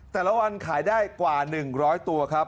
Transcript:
แต่ละวันขายได้กว่าหนึ่งร้อยตัวครับ